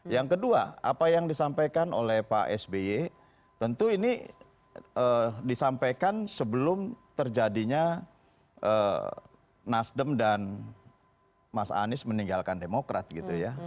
yang kedua apa yang disampaikan oleh pak sby tentu ini disampaikan sebelum terjadinya nasdem dan mas anies meninggalkan demokrat gitu ya